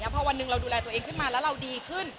พอวันหนึ่งเราดูแลตัวเองขึ้นมาแล้วเราดีขึ้น